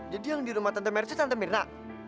jadi yang di rumah tante meri tuh tante mirna